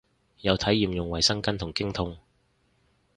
有體驗用衛生巾同經痛